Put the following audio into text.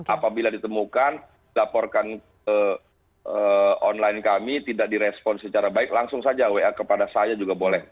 apabila ditemukan laporkan online kami tidak direspon secara baik langsung saja wa kepada saya juga boleh